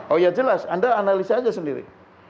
oh ya jelas anda analisa aja sendiri